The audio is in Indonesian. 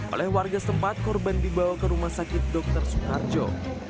oleh warga setempat korban dibawa ke rumah sakit dr soekarjo